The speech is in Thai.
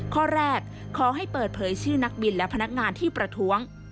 ข้อแรกขอให้เปิดเผยชื่อนักบินและพนักงานที่ประท้วง